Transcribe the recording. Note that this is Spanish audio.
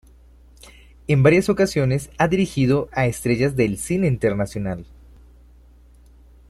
En varias ocasiones ha dirigido a estrellas del cine internacional.